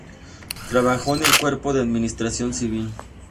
Trabajó en el Cuerpo de Administración Civil.